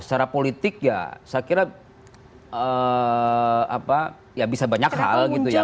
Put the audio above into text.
secara politik ya saya kira bisa banyak hal gitu ya